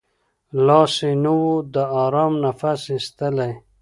لا یې نه وو د آرام نفس ایستلی